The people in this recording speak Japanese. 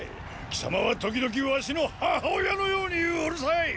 貴様は時々ワシの母親のようにうるさい！